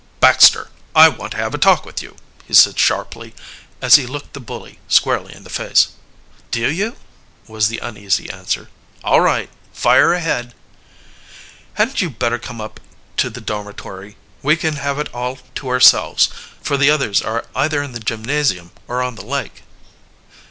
"Baxter, I want to have a talk with you," he said sharply, as he looked the bully squarely in the face. "Do you?" was the uneasy answer. "All right, fire ahead." "Hadn't you better come up to the dormitory? We can have it all to ourselves, for the others are either in the gymnasium or on the lake."